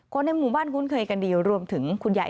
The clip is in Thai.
ในหมู่บ้านคุ้นเคยกันดีรวมถึงคุณยาย